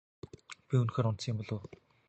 Би үнэхээр унтсан юм болов уу?